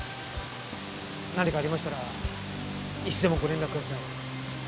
何かありましたらいつでもご連絡ください。